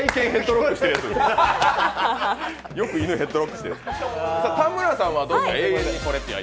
よく犬、ヘッドロックしてる。